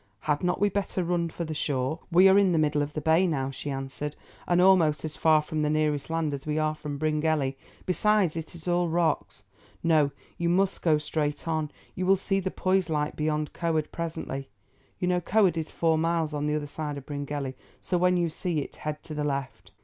Had not we better run for the shore?" "We are in the middle of the bay now," she answered, "and almost as far from the nearest land as we are from Bryngelly, besides it is all rocks. No, you must go straight on. You will see the Poise light beyond Coed presently. You know Coed is four miles on the other side of Bryngelly, so when you see it head to the left."